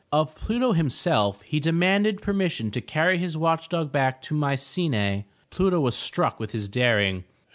Of Pluto himself he demanded permission to carry his watch dog back to Mycenae. Pluto was struck with his daring.